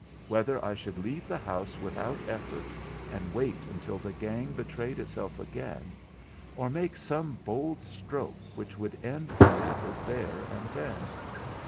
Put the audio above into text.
'—whether I should leave the house without effort, and wait until the gang betrayed itself again; or make some bold stroke which would end the matter there and then.